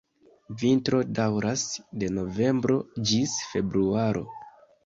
Vintro daŭras de novembro ĝis februaro.